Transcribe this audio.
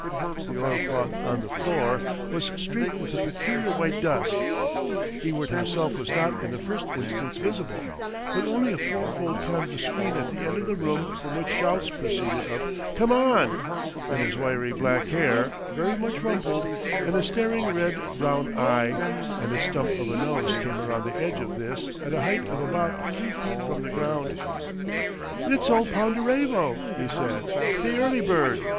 The oilcloth on the floor was streaked with a peculiar white dust. Ewart himself was not in the first instance visible, but only a fourfold canvas screen at the end of the room from which shouts proceeded of "Come on!" then his wiry black hair, very much rumpled, and a staring red brown eye and his stump of a nose came round the edge of this at a height of about three feet from the ground "It's old Ponderevo!" he said, "the Early bird!